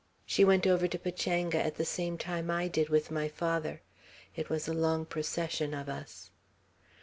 She went over to Pachanga at the same time I did with my father. It was a long procession of us."